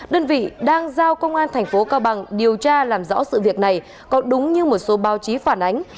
đơn vị đang giao công an thành phố cao bằng điều tra làm rõ sự việc này có đúng như một số báo chí phản ánh